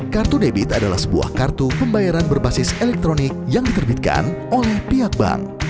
kartu debit adalah sebuah kartu pembayaran berbasis elektronik yang diterbitkan oleh pihak bank